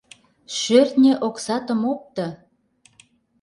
— Шӧртнь о оксатым опто.